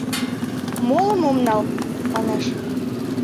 Молым ом нал, манеш.